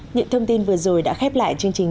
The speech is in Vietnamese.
những thông tin vừa rồi đã khép lại chương trình